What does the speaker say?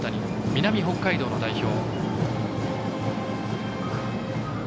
南北海道の代表。